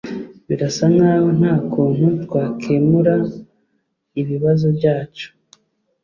Birasa nkaho nta kuntu twakemura ibibazo byacu